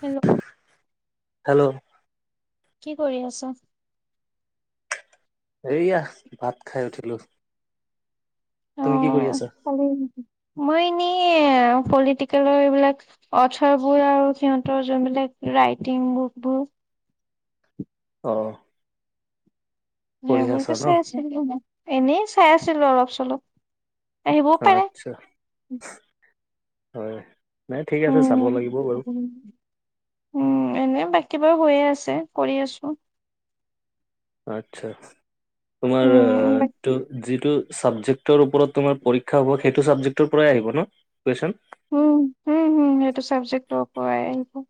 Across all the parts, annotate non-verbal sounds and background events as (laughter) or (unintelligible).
Hello? Hello? কি কৰি আছা? এইয়া ভাত খাই উঠিলো। অ', তুমি কি কৰি আছা? মই এনে পলিটিকেলৰ এইবিলাক অথাৰবোৰ আৰু সিহঁতৰ যোনবিলাক ৰাইটিং বুকবোৰ অ' পঢ়ি আছা সেইবোৰতো ন চাই আছিলো এনেই চাই আছিলো অলপ চলপ। আহিবও পাৰে। আচ্ছা হয়। নাই ঠিক আছে চাব উম। লাগিব বাৰু উম, এনে বাকী বাৰু হৈয়ে আছে কৰি আছো। আচ্ছা তোমাৰ উম, বাক ত' যিটো ছাবজেক্টৰ ওপৰত তোমাৰ পৰীক্ষা হ'ব সেইটো চাবজেক্টৰ পৰাই আহিব ন কুৱেশচন? উম, উম, হম সেইটো চাবজেক্টৰ পৰাই আহিব।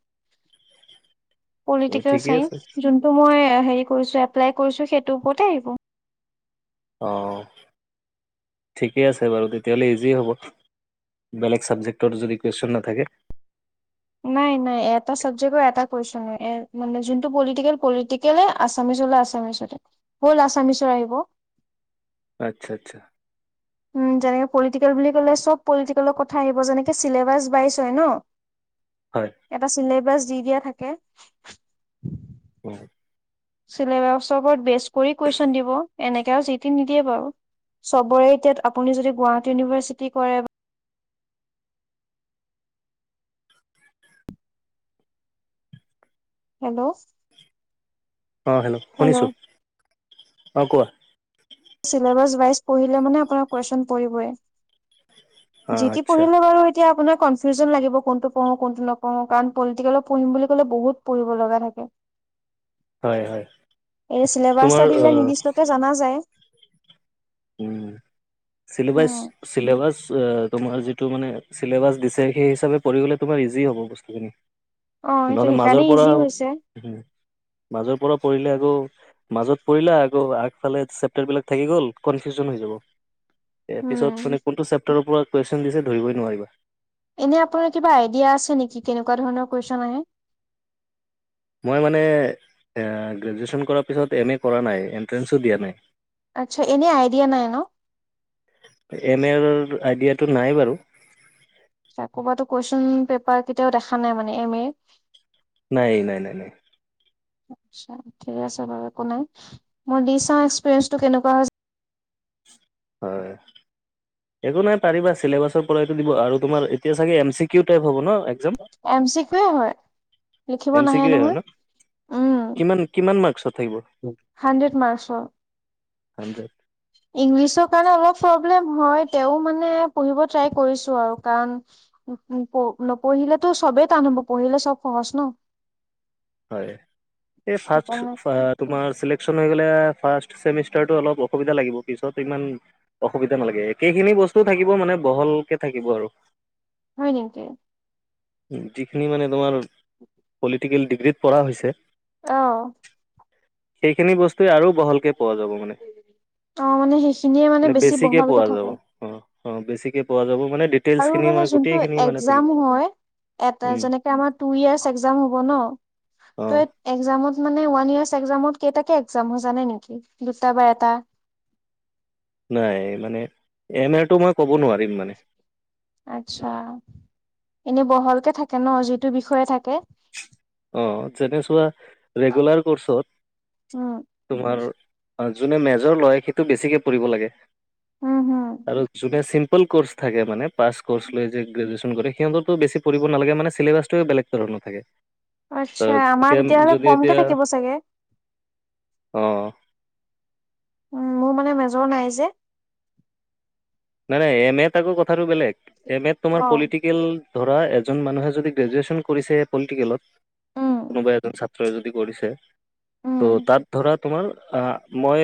অ, পলিটিকেল ঠিকে আছে চাইস যোনটো মই হেৰি কৰিছো এপ্লাই কৰিছো সেইটোৰ ওপৰতে আহিব। অ' ঠিকে আছে বাৰু তেতিয়াহ'লে ইজিয় হ'ব। বেলেগ চাবজেক্টৰ যদি কুৱেশন ন থাকে। নাই নাই এটা চাবজেকটৰ এটা কুৱেশন ম যোনটো পলিটিকেল প কেলে আছামিছলে আছামিছতে হ'ল আছামিছৰ আহিব। আচ্ছা আচ্ছা। উম তেনেকে পলিটিকেল বুলি কলে চব পলিটিকেলৰ কথা আহিব যেনেকে চিলেবাছ বাইজ হয় ন। (unintelligible) হয়। এটা চিলেবাছ দি দিয়া থাকে। হয়। চিলেবাছৰ ওপৰত বেচ কৰি কুৱেশ্যন দিব এনেকেও যিতি নিদিয়ে বাৰু। চবৰে এতিয়া আপুনি যদি গুৱাহী ইউনিভাৰ্চিটি কৰে বা হেল্ল'? অঁহ হেল্ল' শুনিছোঁ অঁহ কোৱা। ছিলেবাজ ৱাই পঢ়িলে মানে আপোনাৰ কুৱেশন পৰিবই। অ জিতি আচ্ছা পঢ়িলে বাৰু এতিয়া আপোনাৰ কনফিউজন লাগিব কোনটো পঢ়ো কোনটো নপঢ়ো কাৰণ পলিটিকেলত পঢ়িম বুলি ক'লে বহুত পঢ়িব লগা থাকে। হয় হয় এই তোমাৰ চিলেবাচটো দিলে আহ, নিৰ্দিষ্টকে জনা যায়। উম (inaudible) চিলেবাছ। উম ছিলেবাছ অহ তোমাৰ যিটো মানে চিলেবাছ দিছে সেই হিচাপে পঢ়ি গ'লে তোমাৰ ইজি হ'ব। অ এইটো নহ'লে সেইকাৰণে মাজৰ পৰা ইজি হৈছে মাজৰ পৰা পঢ়িলে আকৌ, মাজত পঢ়িলা, আকৌ আগফালে চেপ্টাৰবিলাক থাকি গ'ল কনফিউজন হৈ যাব, এ উম পিছত মানে কোনটো চেপ্টাৰৰ পৰা কুৱেশ্যন দিছে ধৰিবই নোৱাৰিবা। এনে আপোনাৰ কিবা আইডিয়া আছে নেকি কেনেকুৱা ধৰণৰ কুৱেশ্যন আহে? মই মানে, এ গ্ৰেজুৱেশ্যন কৰাৰ পিছত এম এ কৰা নাই, এণ্ট্ৰেঞ্চো দিয়া নাই। আচ্ছা, এনেই আইডিয়া নাই ন? এম এৰ আইডিয়াটো নাই বাৰু। কৰ'বাতো কুৱেশ্যন পেপাৰ কেতিয়াও দেখা নাই মানে এম এৰ। নাই, নাই নাই নাই। আচ্ছা, ঠিক আছে বাৰু একো নাই, মই দি চাওঁ এক্সপিৰিয়েঞ্চটো কেনেকুৱা হয় চ হয়। একো নাই পাৰিবা, চিলেবাছৰ পৰাইটো দিব আৰু তোমাৰ এতিয়া চাগে এম চি কিউ টাইপ হ'ব ন? এক্সাম এম চি কিওৱে হয়, লিখিব এম চি নাহে কিউৱে হয় নহয়, ন উম। কিমান কিমান মাৰ্কচত থাকিব? হান্ড্ৰেড মাৰ্ক্সৰ। হান্ড্ৰেড? ইংলিছৰ কাৰণে অলপ প্ৰব্লেম হয়। তেওঁ মানে পঢ়িব ট্ৰাই কৰিছো আৰু কাৰণ উ-উম, প-নপঢ়িলেতো চবেই টান হ'ব, পঢ়িলে চব সহজ ন। হয়, এই (unintelligible) সেইকাৰণে তোমাৰ চিলেকচন হৈ গ'লে ফাৰ্ষ্ট চেমিষ্টাৰটো অলপ অসুবিধা লাগিব, পিছত ইমান অসুবিধা নালাগে, একেইখিনি বস্তু থাকিব, মানে বহলকে থাকিব আৰু। হয় নেকি? যিখিনি মানে তোমাৰ (inaudible) পলিটিকেল ডিগ্ৰীত পঢ়া হৈছে অ' সেইখিনি বস্তুৱেই আৰু বহলকে পোৱা যাব মানে। অ মানে সেইখিনিয়ে মানে বেছি বেছিকে বহলকে পোৱা যাব, থাকে অ' অ', বেছিকে পোৱা যাব মানে দে আৰু মানে যোনটো এগজাম হয় এটা, উম যেনেকে আমাৰ টু ইয়েৰ্চ এগজাম হ'ব ন, অ ত এই একজামত, মানে ওৱান ইয়েৰ্চ একজামত কেইটাকে একজাম হয় জানে নেকি, দুটা বা এটা? নাই মানে, এম এৰটো মই ক'ব নোৱাৰিম মানে। আচ্ছা, এনে বহলকে থাকে ন যিটো বিষয়ে থাকে? অ', যেনে চোৱা ৰেগুলাৰ কৰ্চত উম তোমাৰ যোনে মেজৰ লয়, সেইটো বেছিকে পঢ়িব লাগে। উম হম আৰু যোনে চিম পল কৰ্চ থাকে মানে, পাছ ক'ৰ্চ লৈ যে গ্ৰেজুৱেচন কৰে, সিহঁতেতো বেছি পঢ়িব নালাগে, মানে চিলেবাছটোৱেই বেলেগ ধৰণৰ থাকে। আচ্ছা অ', আমাৰ তেওঁক তেতিয়াহ'লে যদি কমকে এতিয়া, থাকিব চাগে অ' উম, মোৰ মানে মেজৰ নাই যে। নাই নাই, এম এত আকৌ কথাটো বেলেগ, এম এত তোমাৰ অ পলিটিক কেল, ধৰা এজন মানুহে যদি গ্ৰেজুৱেচন কৰিছে পলিটিকেলত, উম কোনোবা এজন ছাত ত্ৰই যদি কৰিছে, ত' উম তাত ধৰা তোমাৰ, অ', মই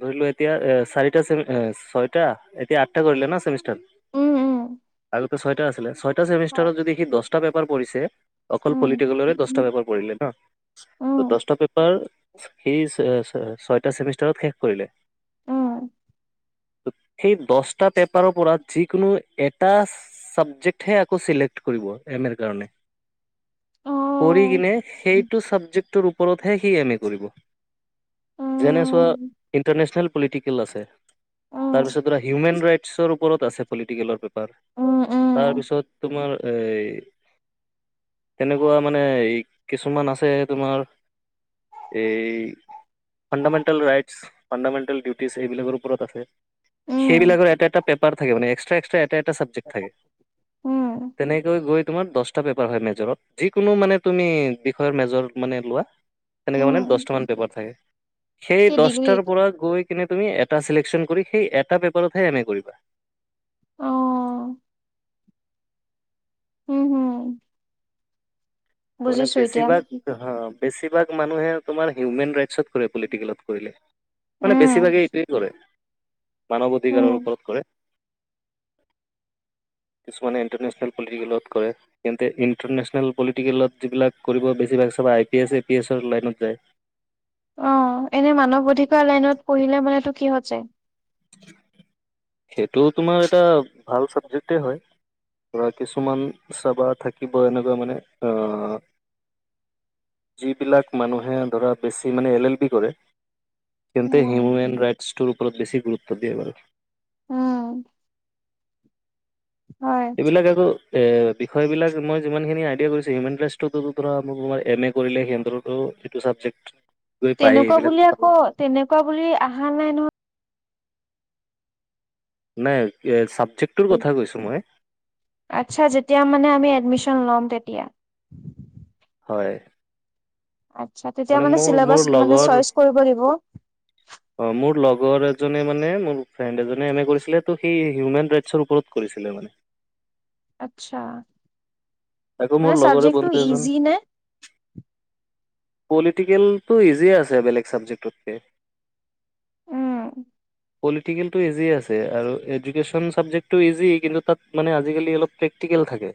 ধৰি লোৱা এতিয়া, চাৰিটা ছেমি-অ' ছয়টা এতিয়া আঠটা কৰিলে ন ছেমিষ্টাৰ, উম উম আগতেটো ছয়টা আছিলে, ছয়টা হয়। ছেমিষ্টাৰত যদি কি দছটা পেপাৰ পঢ়িছে, অকল উম পলিটিকেলৰে দছটা পেপাৰ পঢ়িলে ন উম ত', দছটা পেপাৰ, সি ছ-ছ-ছয়টা ছেমিষ্টাৰত শেষ কৰিলে। উম। সেই দছটা পেপাৰৰ পৰা যিকোনো এটাছ চাবজেক্টহে আকৌ চিলেক্ট কৰিব, এম এৰ কাৰণে। অ কৰিকিনে সেইটো চাবজেক্টৰ ওপৰতহে সি এম এ কৰিব। যেনে চোৱা উম ইণ্টাৰনেচনেল পলিটিকেল আছে, উম উম তাৰপিছত হিউমেন ৰাইটচৰ ওপৰত আছে পলিটিকেলৰ পেপাৰ, তাৰপিছত তোমাৰ এই তেনেকুৱা মানে এই কিছুমান আছে তোমাৰ এই ফাণ্ডামেণ্টেল ৰাটচছ, ফাণ্ডামেণ্টেল ডিউটিছ সেইবিলাকৰ ওপৰত আছে। উম উম সেইবিলাকৰ এটা, এটা পেপাৰ থাকে মানে এক্সট্ৰা, এক্সট্ৰা এটা, এটা চাবজেক্ট থাকে। উম, তেনেকৈ হৈ তোমাৰ দছটা পেপাৰ হয়, মেজৰত যিকোনো মানে তুমি বিষয়ত মেজৰ মানে লোৱা তেনেকে মানে উম, দহটামান পেপাৰ থাকে। সেই কি ডিগ্ৰীত দছটাৰ পৰা গৈ কিনে তুমি এটা চিলেকচন কৰি সেই এটা পেপাৰতহে এম এ কৰিবা। অ উম, উম। তাৰমানে বেছিভাগ হা বেছিভাগ মানুহে তোমাৰ হিউমেন ৰাইটচত কৰে পলিটিকেলত কৰিলে। মানে উম বেছিভাগেই এইটোৱেই কৰে, মানৱ অধিকাৰৰ উম ওপৰত কৰে। কিছুমানে ইণ্টাৰনেশ্যনেল পলিটিকেলত কৰে, তেন্তে ইণ্টাৰনেশ্যনেল পলিটিকেলত যিবিলাক কৰিব বেছিভাগ চাবা I P S, A P এছৰ লাইনত যায়। অ', এনে মানৱ অধিকাৰ লাইনত পঢ়িলে মানেটো কিহত যায়? সেইটো তোমাৰ এটা ভাল চাবজেক্টেই হয়। ধৰা কিছুমান চাবা থাকিব এনেকুৱা মানে অ', যিবিলাক মানুহে ধৰা বেছি মানে এল এল বি কৰে তেন্তে উম হিউমেন ৰাইটছ টোৰ ওপৰত বেছি গুৰুত্ব দিয়ে বাৰু। উম। হয় এইবিলাক আৰু এ, বিষয় বিলাক মই যিমানখিনি আইডিয়া কৰিছোঁ, হিউমেন ৰাইটচটতো ধৰা কোনোবা এম এ কৰিলে সিহঁতৰতো এইটো চাবজেক্ট গৈ পায়েই তেনেকুৱা এইবিলাক বুলি আকৌ তেনেকুৱা বুলি আহা নাই নহয়। নাই, চাবজেক্টটোৰ কথা কৈছোঁ মই। আচ্ছা, যেতিয়া মানে আমি এডমিশ্যন ল'ম তেতিয়া! হয়। আচছা, তেতিয়া মানে মোৰ মোৰ চিলেবাচ মানে লগৰ চইচ কৰিব দিব! অ', মোৰ লগৰ এজনে মানে মোৰ ফ্ৰেণ্ড এজনে এম এ কৰিছিলে ত' সি হিউমেন ৰাইটচৰ ওপৰত কৰিছিলে মানে। আচ্ছা, আকৌ মানে মোৰ লগৰে চাবজেক্টটো বন্ধু এজন ইজি নে? পলিটিকেলতটো ইজিয়ে আছে বেলেগ চাবজেক্টতকে। উম। পলিটিকেলটো ইজি আছে আৰু এডুকেশচন চাবজেক্টটো ইজি, কিন্তু তাত মানে আজিকালি অলপ টেক প্ৰেকটিকেল থাকে।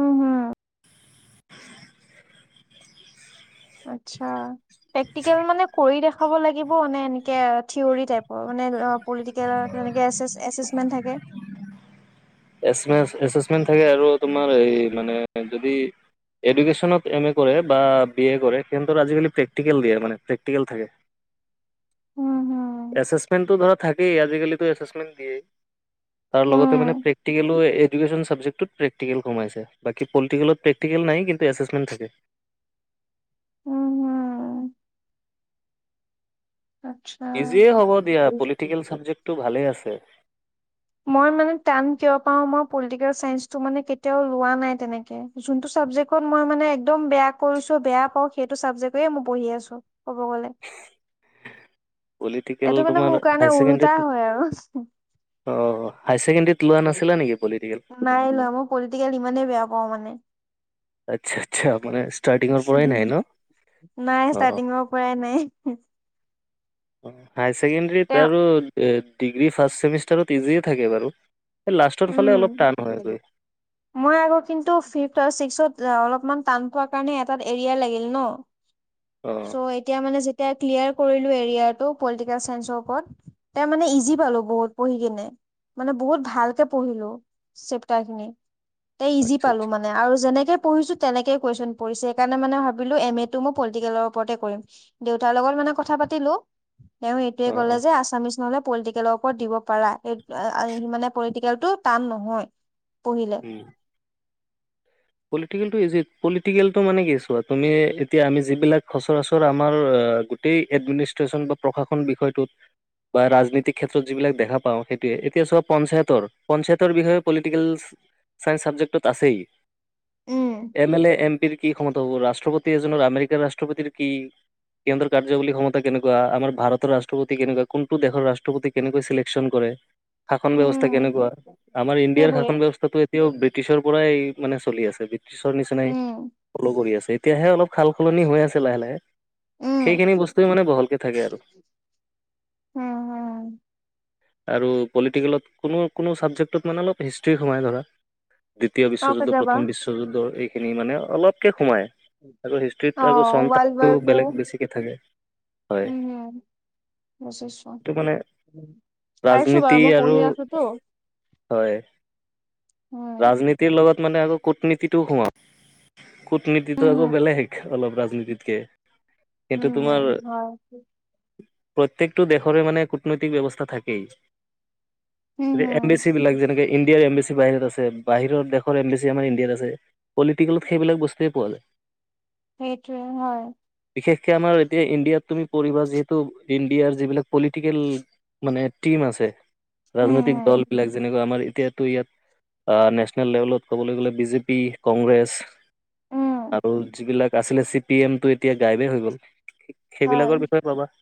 উম, হু। আচ্ছা, প্ৰেক্টিকেল মানে কৰি দেখাব লাগিব নে এনেকে থ্ৰীয়ৰি টাইপ! মানে পলিটিকেল তেনেকে এছেচ-এছেচচিডমেণ্ট থাকে এছেমে- এছেচমেণ্ট থাকে আৰু তোমাৰ এই মানে যদি এডুকেচনত এম এ কৰে বা বি এ কৰে সিঁহতৰ আজিকালি প্ৰেক্টিকেল দিয়ে মানে প্ৰেক্টিকেল থাকে। উম হম এছেচমেণ্ট ধৰা থাকেই, আজিকালিটো এছেচমেণ্ট দিয়েই। তাৰলগতে মানে উম প্ৰেক্টিকেলো এডু কেচন চাবজেক্টটোত প্ৰেক্টিকেল কমাইছে, পলটিকেলত প্ৰক্টিকেল নাই কিন্তু এছেচমেণ্ট থাকে। উম হম ইজিয়ে আচ্ছা হ'ব দিয়া, পলিটিকেল চাবজেক্টটো ভালেই আছে। মই মানে টান কিয় পাওঁ মই পলিটিকেল চাইন্সটো মানে কেতিয়াও লোৱা নাই তেনেকে। যোনটো চাবজেক্টত মই মানে একদম বেয়া কৰিছোঁ, বেয়া পাওঁ সেইটো চাবজেক্টকেই মই পঢ়ি আছোঁ। ক'ব গ'লে পলিটিকেল এইটো মানে তোমাৰ মোৰ কাৰণে হায় ওলোটা ছেকেণ্ডাৰীত হয় আৰু অ', হাই ছেকেণ্ডাৰীত লোৱা নাছিলা নেকি পলিটিকেল? নাই লোৱা মই পলিটিকেল ইমানেই বেয়া পাওঁ মানে। আচ্ছা, আচ্ছা মানে ষ্টাৰ্টিঙৰ পৰাই নাই ন অ'। কৰাই নাই। হায় ছেকেণ্ডৰীত তেওঁ আৰু ডিগ্ৰী ফাৰ্ষ্ট চেমিষ্টাৰত ইজিয়ে থাকে বাৰু। এ লাষ্টৰ ফালে উম অলপ টান হৈ গৈ। মই আকৌ কিন্তু ফিফট আৰু ছিক্সত অলপমান টান পোৱাৰ কাৰণে এটাত এৰিয়া লাগিল ন। অ চ' এতিয়া মানে যেতিয়া ক্লিয়াৰ কৰিলো এৰিয়াৰটো পলিটিকেল চাইন্সৰ ওপৰত ত মানে ইজি পালো বহুত পঢ়ি কিনে মানে বহুত ভালকে (unintelligible) ইজি আচ্ছা পালো আচ্ছা মানে। আৰু যেনেকে পঢ়িছোঁ, তেনেকে কুৱেচছেন পৰিছে সেই কাৰণে মানে ভাবিলোঁ এম এ তটো মই পলিটিকেলৰ ওপৰতে কৰিম। দেউতাৰ লগত মানে কথা পাতিলোঁ। তেওঁ এইটোয়ে অ ক'লে অ যে আছামিছ নহলে পলিটিকেলৰ ওপৰত দিব পাৰা এই মানে পলিটিকেল টো টান নহয় পঢ়িলে। উম। পলিটিকেলটো ইজি পলিটিকেলটো মানে কি চোৱা তুমি এতিয়া আমি যিবিলাক সচৰাচৰ আমাৰ গোটেই এডমিনিষ্ট্ৰেচন বা প্ৰশাসন বিষয়টোত বা ৰাজনীতিক ক্ষেত্ৰত যিবিলাক দেখা পাওঁ সেইটোৱে, এতিয়া চোৱা পঞ্চায়তৰ পঞ্চায়তৰ বিষয়ে পলিটিকেল ছাইন্স ছাবজেকটোত আছেই। উম এম এল এ, এম পিৰ কি ক্ষমতা হব ৰাষ্ট্ৰপতি এজনৰ আমেৰিকাৰ ৰাষ্ট্ৰপতিৰ কি? কেন্দ্ৰ কাৰ্যকলী ক্ষমতা কেনেকুৱা আমাৰ ভাৰতৰ ৰাষ্ট্ৰপতি কেনেকুৱা কোনটো দেশৰ ৰাষ্ট্ৰপতি কেনেকৈ চিলেকচন কৰে শাসন ব্যৱস্থা উম কেনেকুৱা আমাৰ ইণ্ডিয়াৰ সেইবোৰে শাসন ব্যৱস্থাটো এতিয়াও ব্ৰিটিছৰ পৰাই মানে চলি আছে ব্ৰিটিছৰ নিচিনাই উম ফল' কৰি আছে এতিয়াহে অলপ সাল সলনি হৈ আছে লাহে লাহে। উম সেইখিনি বস্তুৱে মানে বহলকে থাকে আৰু উম উম আৰু পলিটিকেলত কোনো কোনো ছাবজেক্টটোত মানে অলপ হিষ্ট্ৰী সোমাই ধৰা। দ্বিতীয় অ বিশ্বযুদ্ধ কেতিয়াবা প্ৰথম বিশ্বযুদ্ধৰ এইখিনি মানে অলপকে সোমায়। আকৌ হিষ্ট্ৰীত আকৌ অ', ৱাৰ্ল্ড চনটো বেলেগ বেছিকে থাকে। হয় হুম, হুম। এইটো (unintelligible) মানে পাইছো ৰাজনীতি বাৰু মই আৰু পঢ়ি আছোঁতো। হয়। ৰাজনীতিৰ লগত মানে আকৌ কূটনীতিটো সোমা কুটনীতিটো উম, আকৌ হম, বেলেগ শিক্ষা। অলপ ৰাজনীতিতকে কিন্তু উম, হম, তোমাৰ হয়। প্ৰত্যেকটো দেশৰে মানে কূটনৈতিক ব্যৱস্থা থাকেই। উম, হম, এম্বেচি বিলাক যেনেকে ইণ্ডিয়াৰ এম্বেচি বাহিৰত আছে। বাহিৰৰ দেশৰ এম্বেচি আমাৰ ইণ্ডিয়াত আছে পলিটিকেলত সেইবিলাক বস্তুৱে পোৱা যায়। সেইটোও হয়। বিশেষকে আমাৰ এতিয়া ইণ্ডিয়াত তুমি পঢ়িবা যিহেতু ইণ্ডিয়াৰ যিবিলাক পলিটিকেল মানে টিম আছে উম, ৰাজনৈতিক দল বিলাক যেনেকুৱা আমাৰ এতিয়াতো ইয়াত নেচনেল লেভেলত ক'বলৈ গ'লে বিজেপি কংগ্ৰেছ হম, উম, আৰু যিবিলাক আছিলে চি পি এমটো এতিয়া গায়িপেই হৈ গ'ল হয়। সেইবিলাকৰ বিষয়ে পাবা।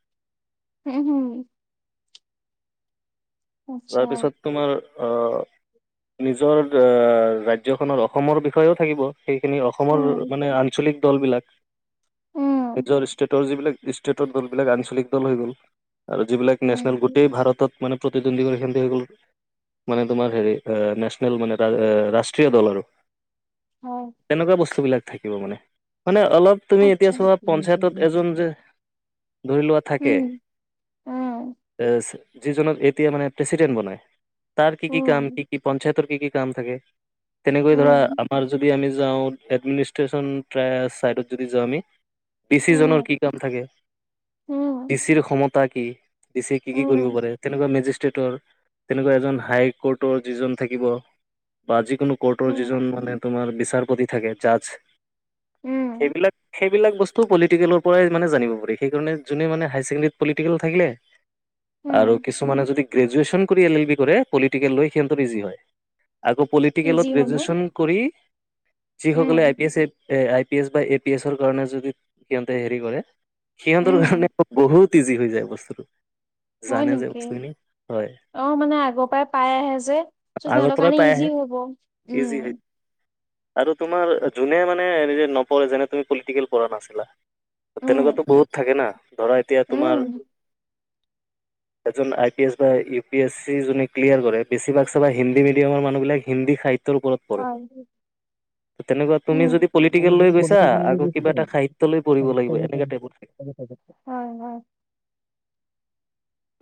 উম, হুম। আচ্ছা তাৰপিছত। তোমাৰ আ নিজৰ ৰাজ্যখনৰ, অসমৰ বিষয়েও থাকিব। সেইখিনি অসমৰ উম, মানে আঞ্চলিক দল বিলাক উম, নিজৰ ষ্টেটৰ যিবিলাক ষ্টেটৰ দলবিলাক আঞ্চলিক দল হৈ গ'ল আৰু যিবিলাক নেচনেল উম, গোটেই ভাৰতত মানে (unintelligible) মানে তোমাৰ হেৰি নেচনেল মানে ৰাষ্ট্ৰীয় দল আৰু। হয়। তেনেকুৱা বস্তুবিলাক থাকিব মানে। মানে অলপ তুমি এতিয়া আচ্ছা চোৱা উম, পঞ্চায়তত উম, এজন যে ধৰি লোৱা থাকে এ, যিজনক এইট এতিয়া মানে প্ৰেচিডেণ্ট বনাই, তাৰ কি কি কাম উম, উম, কি কি পঞ্চায়তৰ কি কি কাম থাকে? তেনেকৈ ধৰা আমাৰ যদি আমি যাওঁ এডমিনিষ্ট্ৰেশ্যন চাইডত যদি যাওঁ আমি পিচিজনৰ কি কাম থাকে? উম, উম, পিছিৰ সম তা কি, পিছি কি কি কৰিব উম, পাৰে তেনেকুৱা নে ষ্টেটৰ তেনেকুৱা এজন হাইক'ৰ্টৰ যিজন থাকিব বা যি কৰ্টৰ উম, যিজন মানে তোমাৰ বিচাৰপতি থাকে জাজ উম, সেইবিলাক সেইবিলাক বস্তু পলিটিকেলৰ পৰাই মানে জানিব পাৰি, সেইকাৰণ জুনে হায়াৰ ছেকেণ্ডাৰীত পলিটিকেল থাকিলে আৰু উম, কিছু যদি গ্ৰেজুৱেচন কৰি এল এল বি কৰে, পলিটিকেল লৈ সিহঁতৰ ইজি হয়। আকৌ পলিটি ইজি প্ৰটিকেলত হ'ল ন গ্ৰেজুৱেশচন কৰি উম, যিসকলে I P S A A, I P S বা এ পি এছৰ কাৰণে যদি সিহঁতে হেৰি কৰে সিহঁতৰ উম, কাৰণে বহুত তিজি হৈ যায় বস্তুটো, হয় জানে যে নেকি? বস্তুখিনি হয়। অ' মানে আগৰপৰাই পাই আহে যে চ' আগৰ সিহঁতৰ পৰাই কাৰণে পাই আহে ইজি হ'ব উম। ইজি হয় আৰু তোমাৰ যোনে মানে এনে নপঢ়ে যেনে তুমি পলিটিকেল পঢ়া নাছিলা। উম তেনেকুৱাতো বহুত থাকে না ধৰা এতিয়া তোমাৰ উম এজন আই পি এছ বা ইউ পি এছ চি জোনে ক্লিয়াৰ কৰে বেছভাগ চাবা হিন্দী মিডিয়ামৰ মানুহবিলাক হিন্দী সাহিত্যৰ ওপৰত পঢ়ে হয় ঠিক। তেনেকুৱা তুমি হুম, যদি পলিটিকেল লৈ গৈছা আকৌ কিবা এটা সাহিত্য লৈ পঢ়িব লাগিব এনেকা টাইপৰ (unintelligible) হয় হয়।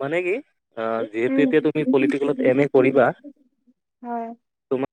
মানে কি অ' যিহেতু উম এতিয়া তুমি পলিটিকেলত এম এ কৰিবা হয়। তোমাৰ